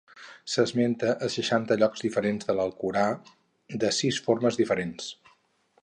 S'esmenta a seixanta llocs diferents de l'Alcorà, de sis formes diferents.